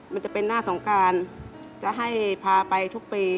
มันจะเป็นหน้าสงการจะให้พาไปทุกปี